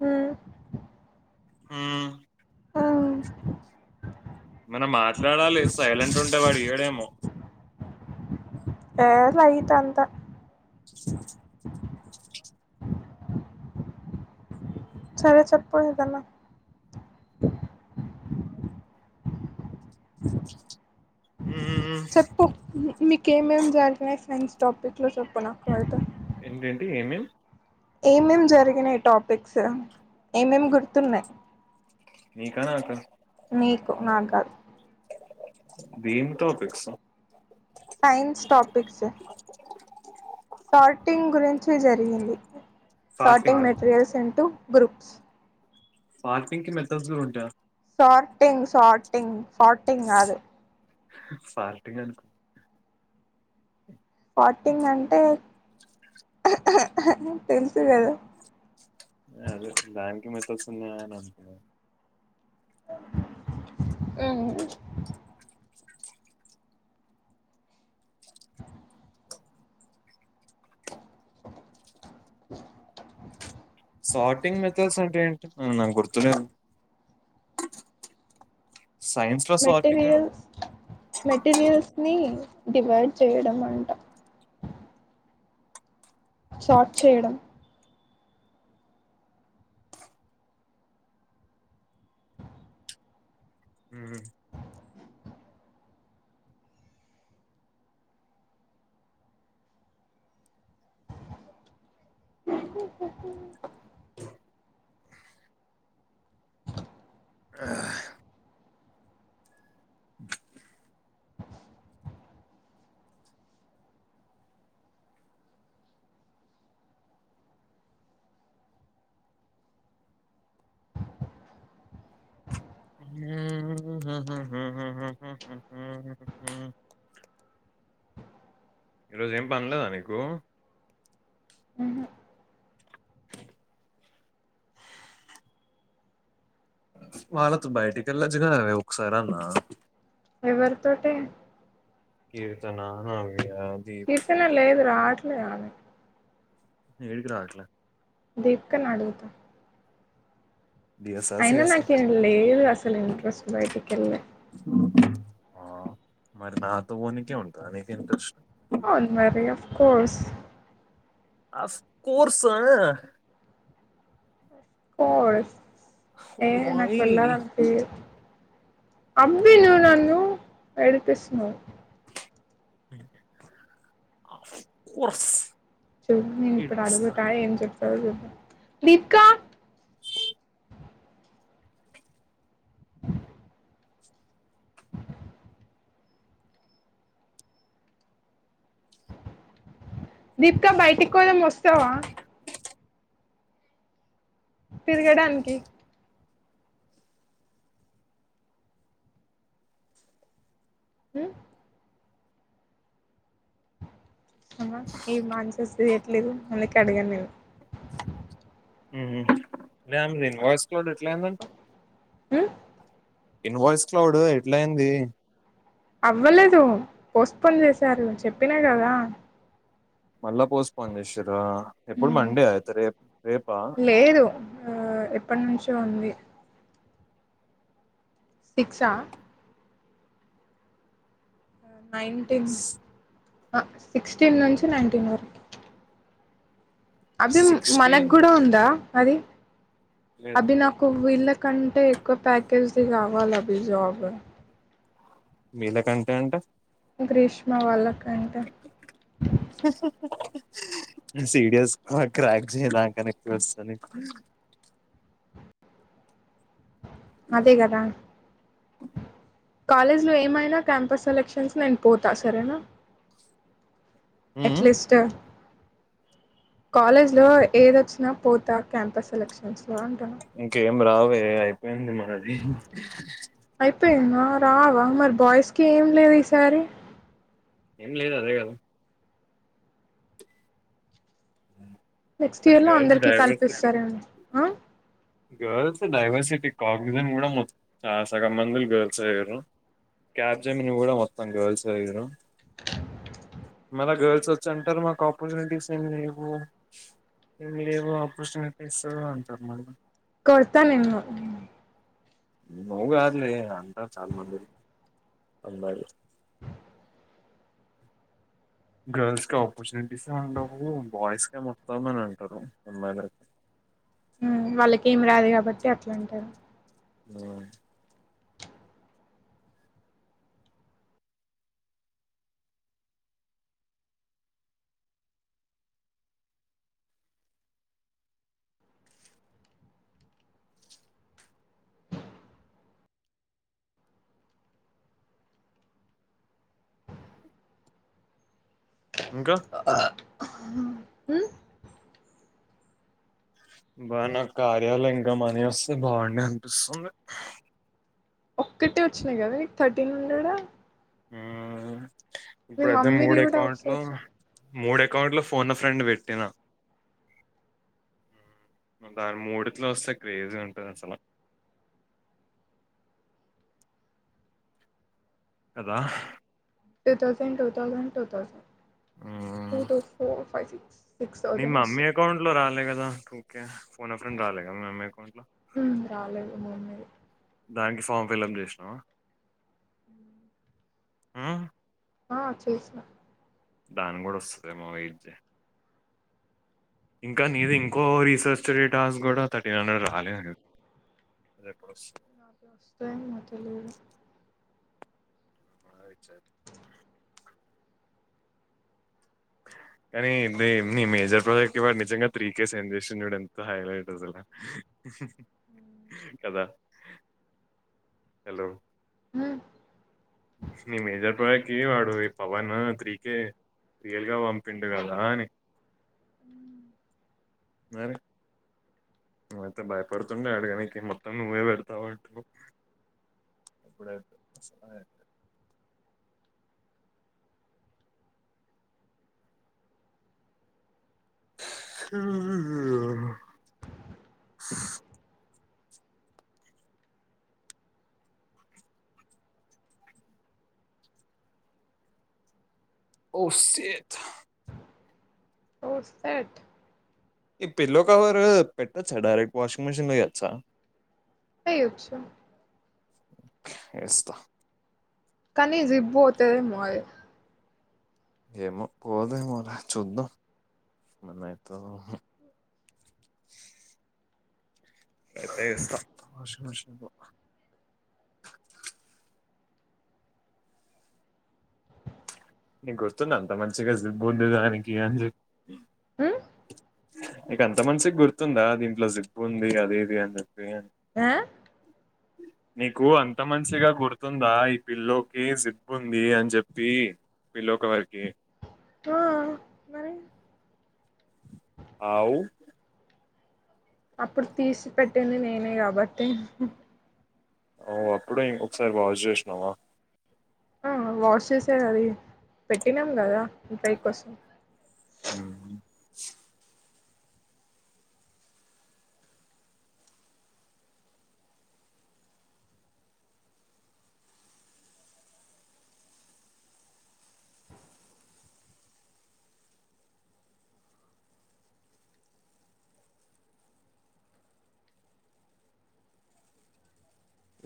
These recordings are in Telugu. ఊ హుమ్ మనం మాట్లాడాలి సైలెంట్ ఉంటేవాడు ఇయడేమో ఆ లెట్ అంతా సరే చెప్పు ఏదన్న ఊమ్ మ్ చెప్పు మీకు ఏమేమి జరిగినాయి సైన్స్ టాపిక్లో చెప్పు నాకు వెల్త్ ఏంటంటి ఏమేంమ్ ఏమేం జరిగినాయి టాపిక్స్ ఏమేం గుర్తున్నాయి నీకా నాకా నీకు నాగదు భీమ్ టాపిక్స్ సైన్స్ టాపిక్స్ ఫాల్టింగ్ గురించి జరిగింది ఫాస్టింగ్ స్టార్టింగ్ మెటీరియల్స్ ఏంటు గ్రూప్స్ పార్టింగ్ కి మెథడ్స్ కూడా ఉంటాయ సార్టింగ్ సార్టింగ్ సార్టింగ్ గాదు ఫార్టింగ్ అనుకున పార్టింగ్ అంటే హ హ హ్ తెలుసు కదా అదే దానికి [unintelligible] వస్తున్నాయ అనుకున్నా ఊమ్ [unintelligible] సార్టింగ్ మెథడ్స్ అంటే ఏంటి ఉమ్ నాకు గుర్తు లేదు. సైన్స్ లో సార్టింగ్ కూడా మెటీరియల్స్ మెటీరియల్స్ని డివైడ్ చేయడం అంట షార్ట్ చేయడం హ్మ్. మ్ ఊహు హు హు ఈరోజు ఏం పనీలేదా నీకు ఉహు వాళ్ళతో బయటికి వెళ్ళొచ్చుగదనే ఒక్కసారి అన్నా ఎవరి తోటే కీర్తనా అ కితనల్ లేదు రాట్ రాలా ఏది రాట్ల దీపికనడుగుతా డిఎస్ఆ అయిన సిఎస్ఆ నాకే ఏం లేదు అసలు ఇంట్రెస్ట్ బయటికెల్ల ఆ మరి నాతో వునికే ఉంటద నీక్ ఇంట్రెస్ట్ అవున్ మరి ఆఫ్ కోర్స్ అఫ్ కోర్స్ ఆ కోర్స్ ఏ వై నాకు వెళ్ళాలంటే అబ్బి లేదా నువు నన్ను ఏడిపిస్తున్నావ్ కొర్స్ చూడు నేను ఇప్పుడు అడుగుతా ఏం చె ప్తదదో చూద్దం. దిప్కా దీపిక బయటికోదం వస్తావా? తిరగడానికి మ్ అమ్మా ఈ మాన్స వచ్చేటట్లు అందుకే అడగలేదు. మ్ మ్ ఇన్వాయిస్ క్లౌడ్ ఎట్ల అయిందంట మ్ ఇన్వాయిస్ క్లౌడ్ ఎట్లయింది అవ్వలేదు పోస్ట్పోన్ చేసారు చెప్పినా కదా మళ్ళా పోస్ట్పోన్ చేశిర్రా! ఎప్పుడు ఉమ్ మండే అయితే రేప్ రేపా? లేదు ఆ ఎప్పటి నుంచో ఉంది సిక్షా నైంటిన్ సిక్స్టీన్ నుంచి నైన్టీన్ వరకి అభి మనకు సిక్స్టీన్ గూడా ఉందా అది లేదు అభి నాకు వీళ్ళక్ కంటే ఎక్కువ ప్యాకేజ్ది కావాలి అభి జాబ్ మీళ్ళ కంటే అంటే గ్రీష్మ వాళ్ళ [inaudible] సీరియస్ క్రాక్ చెయడానికన్న ఎక్కువే వస్తది నీక్ అదే కదా కాలేజ్లో ఏమైనా క్యాంపస్ సెలెక్షన్స్ నేను పోతా సరేనా ఎట్లీస్ట్ కాలేజ్ లో ఏదొచ్చినా పోతా క్యాంపస్ సెలక్షన్స్ లో అంటున్నా ఇంక ఏం రావే లేదు అయి పోయింది మరది. పె నువు రావా మరి బాయిస్కి ఏం లేదు ఈసారి ఏం లేదు అదే గదా! అ నెక్స్ట్ ఇయర్ లో అందరికి కల్పిస్తారేమో. గర్ల్స్ డైవర్సిటీ కాక్సిజన్ కూడా మొత్త చాలా సగం మందిల్ గర్ల్స్ అయ్యారు. క్యాబ్ జమిన్ కూడా మొత్తం గర్ల్స్ అయ్యారు [inaudible] మళ్ల గర్ల్స్ వచ్చి అంటారు మాకు ఆపర్చునిటీస్ ఏమి లే వు ఏమ్ లేవు ఆపర్చునిటీస్ అంటారు మల్ల కొడ్తా నిన్ను నువ్ కాదులే అంటరు చాల్ మంది అమ్మాయిలు గర్ల్స్ కి ఆపర్చునిటీస్ ఏ ఉండవు బాయ్స్ కె మొత్తామని అంటరు అమ్మాయిలైతే మ్ వాళ్ళకేమి రాదు కాబట్టి అట్లా అంటరు ఆ ఇంకా ఆ బా నాకు కార్యలో ఇంకా మనీ వస్తే బాగుండే అనిపిస్తుంది. ఒక్కటే వచ్చినాయి కదా నీకు థర్టీన్ హండ్రెడా? మ్మూ ఇప్పుడు అయితే మమ్మీది మూడు కూడా అకౌంట్ లో ఒకసారి చూ మూడే అకౌంట్ లో ఫోన్ ఎ ఫ్రెండ్ పెట్టినా ఉమ్ దాని మూడిట్లో వస్తే క్రేజీ ఉంటది అసల కదా two thousand two thousand two thousand two two four five సి మి మమ్మీ అకౌంట్ లో రాలే కదా ఓకే ఫోన్ ఫ్రెండ్ రాలే కదా మీ మమ్మీ అకౌంట్ లో ఉమ్ రాలేదు మొన్నది. దానికి ఫామ్ ఫిలప్ చేసినావా. ఉమ్ మ్మ్ ఆ చేసిన దానిక్గూడ వస్తదేమో వైట్ చేయి. ఇంకా నీది ఇంకో రీసెర్చ్ డేటాస్ కూడా థర్టీన్ హండ్రెడ్ రాలేదు. ఎప్పుడు వస్తదో నాకు వస్తాయేమో తెలియదు అ ఇచ్చారు కానీ నీ నీ మేజర్ ప్రాజెక్ట్ కి వాడు నిజంగా త్రీ కే సెండ్ చేసిండు చూడు ఎంత హైలెట్ అసలా కదా హలో నీ మేజర్ ప్రాజెక్ట్ ఏ వాడు ఏ పవన్ త్రి కే రియల్ గా పంపిండు కదా అని మరి నువ్వైతే భయపడుతుండే అడగనికే మొత్తం నువ్వే పెడతావు అంటున్నవ్ అప్పుడైతే అసలా అ ఓ శెట్ ఓ సెట్ ఈ పిల్లో కవరు పెట్టోచ్చ డైరెక్ట్ వాషింగ్ మిషిన్లో ఎయోచ్చా ఎయోచ్చు. ఎస్తా కానీ జిప్ బోతదేమో ఆది ఏమో పోదేమోలే చూద్దాం ఏమైతడో ఐతే ఎస్తా వాషింగ్ మీషన్ అబ నీకు గుర్తుందా అంత మంచిగా జిప్ఉంది దానికి అని చెి నీకంత మంచిగా గుర్తుందా దీంట్లో జిప్పు ఉంది అది ఇది అని చెప్పి ఆ నీకు అంత మంచిగా గుర్తుందా ఈ పిల్లోకి జిబ్బ ఉంది అని చెప్పి పిల్లో కవర్కి ఆ మరి అవు అప్పుడు తీసి పెెట్టింది నేనే కాబట్టి అవ్ అప్పుడే ఇం ఒకసారి వాష్ చేసినవా ఆ వాష్ చేసే అది పెట్టినాం కదా టై కోసం ఆ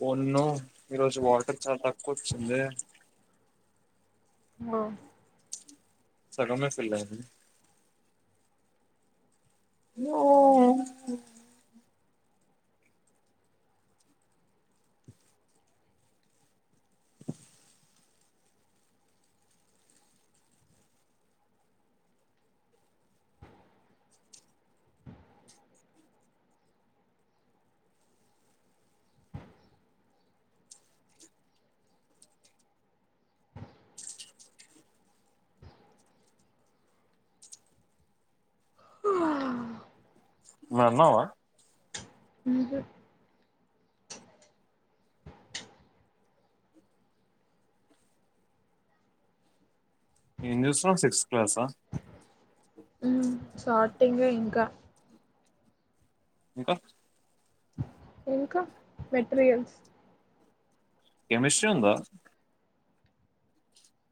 ఒన్నో ఈరోోజు వాటర్ చాలా తక్కువ వచ్చిందే ఓ సగంల సెల్లార్ ఓ ఆ నువ్వేన్నావా అ ఏం చూస్తున్నావ్ సిక్స్త్ క్లాసా హు సట్ టింగ్ ఇంకా ఇంకా ఇంకా మెటీరియల్స్ కెమిస్ట్రీ ఉంద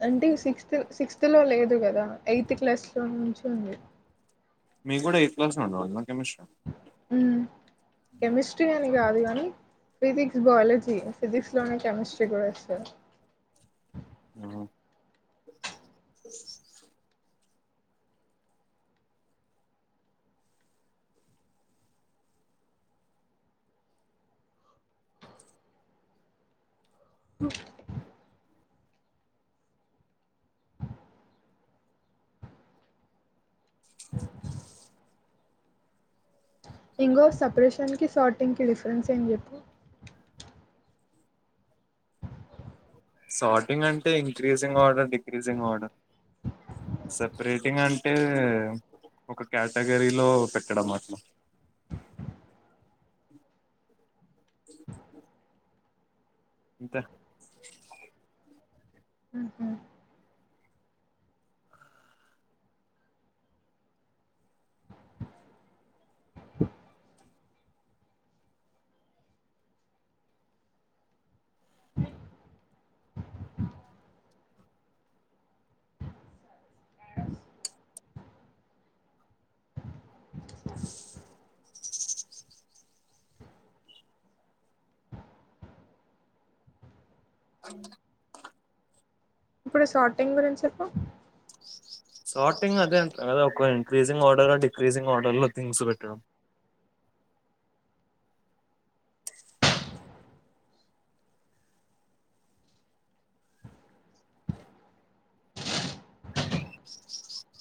అంటే సిక్స్త్ సిక్స్త్ లో లేదు కదా ఎయిత్ క్లాస్లో నుంచి ఉంది మీరు కూడా ఎయిత్ క్లాస్ లో ఉండెవల్ల కెమిస్ట్రీ కెమిస్ట్రీ కాదు కానీ ఫిజిక్స్ బయాలజీ ఫిజిక్స్ లోనే కెమిస్ట్రీ కూడా ఇస్తారు ఆ [unintelligible] ఇంకో సపరేషన్ కి షార్టింగ్కి డిఫరెన్స్ ఏం చెప్పు సోర్టింగ్ అంటే increasing order decreasing order separating అంటే ఒక కేటగిరీలో పెట్టడం అట్లా ఇంతె అ ఇప్పుడు షార్టింగ్ గురించి చెప్పు షార్టింగ్ అదే అద ఒ ఇంక్రీజంగ్ ఆర్డర్ లో డిక్రీజసింగ్ ఆర్డర్ లో థింగ్స్ పెట్టడం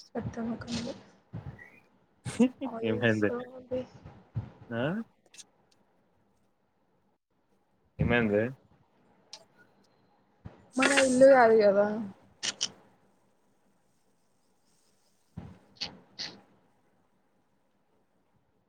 చెత్తముఖంది ఏం ఆఇందే ఆ [inaudible] ఏమైందే మన ఇల్లు కాదు కదా [inaudible]